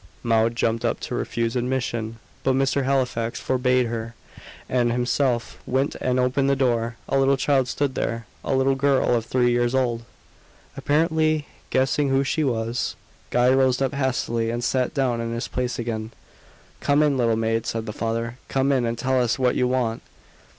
Maud jumped up to refuse admission; but Mr. Halifax forbade her, and himself went and opened the door. A little child stood there a little girl of three years old. Apparently guessing who she was, Guy rose up hastily, and sat down in his place again. "Come in, little maid," said the father; "come in, and tell us what you want."